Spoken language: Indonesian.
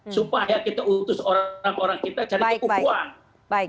supaya kita utus orang orang kita cari buang buang